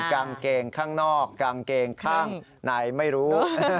กางเกงข้างนอกกางเกงข้างไหนไม่รู้